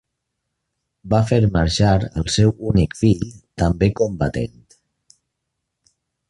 Va fer marxar al seu únic fill, també combatent.